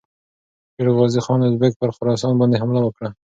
شېرغازي خان اوزبک پر خراسان باندې حمله وکړه.